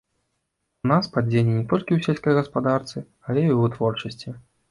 У нас падзенне не толькі ў сельскай гаспадарцы, але і ў вытворчасці.